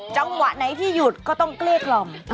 จังหวะไหนที่หยุดก็ต้องเกลี้ยกล่อม